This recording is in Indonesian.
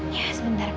ya sebentar kak